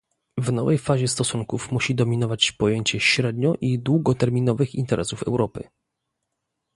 W nowej fazie stosunków musi dominować pojęcie średnio- i długoterminowych interesów Europy